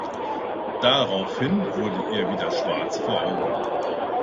Daraufhin wurde ihr wieder schwarz vor Augen.